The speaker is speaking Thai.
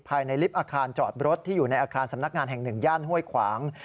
ลิฟต์อาคารจอดรถที่อยู่ในอาคารสำนักงานแห่งหนึ่งย่านห้วยขวาง